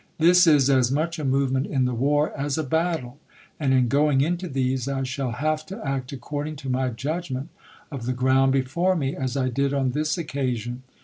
This is as much a movement in the war as a battle, and in going into these I shall have to act according to my judgment of the ground before me, as I did on this occasion.